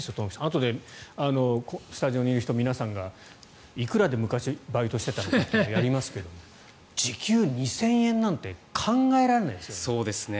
あとでスタジオにいる人皆さんがいくらで昔バイトしていたのかとかやりますが時給２０００円なんて考えられないですよね。